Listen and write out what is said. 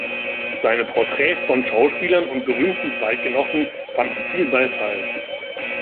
Seine Porträts von Schauspielern und berühmten Zeitgenossen fanden viel Beifall.